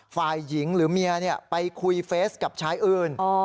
ฝ่ายหญิงหรือเมียไปคุยเฟสกับชายอื่น